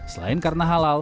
selain karena halal